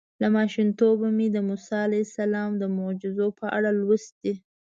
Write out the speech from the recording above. له ماشومتوبه مې د موسی علیه السلام د معجزو په اړه لوستي.